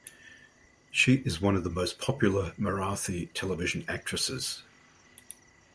She is one of the most popular Marathi television actresses.